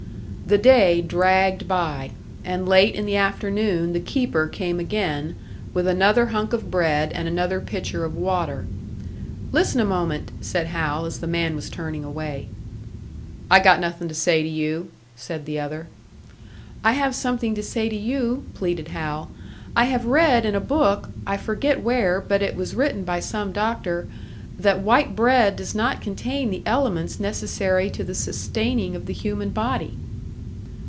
The day dragged by; and late in the afternoon the keeper came again, with another hunk of bread and another pitcher of water. "Listen a moment," said Hal, as the man was turning away. "I got nothin' to say to you," said the other. "I have something to say to you," pleaded Hal. "I have read in a book I forget where, but it was written by some doctor that white bread does not contain the elements necessary to the sustaining of the human body."